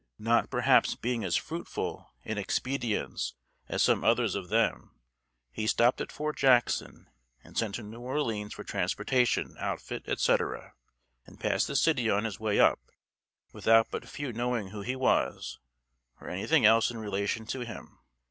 Not perhaps being as fruitful in expedients as some others of them, he stopped at Fort Jackson, and sent to New Orleans for transportation outfit, etc., and passed the city on his way up, without but few knowing who he was, or anything else in relation to him.